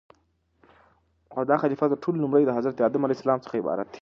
او داخليفه تر ټولو لومړى دحضرت ادم عليه السلام څخه عبارت دى